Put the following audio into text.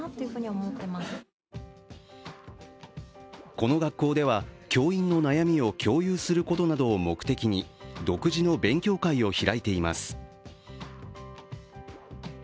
この学校では教員の悩みを共有することなどを目的に独自の勉強会を開いています。